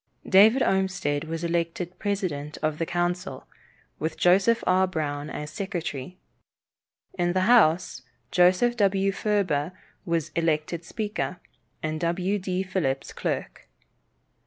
David Olmsted was elected president of the council, with Joseph R. Brown as secretary. In the House, Joseph W. Furber was elected speaker, and W. D. Phillips clerk.